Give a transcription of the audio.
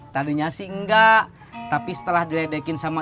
tadinya sih enggak tapi setelah diledekin sama